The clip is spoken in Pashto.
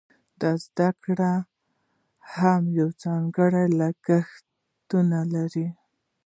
دا زده کړه هم ځانګړي لګښتونه لري.